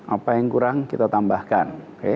apa yang kurang kita tambahkan